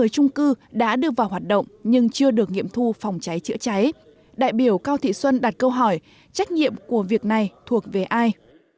một mươi trung cư đã đưa vào hoạt động nhưng chưa được nghiệm thu phòng cháy chữa cháy đại biểu cao thị xuân đặt câu hỏi trách nhiệm của việc này thuộc về ai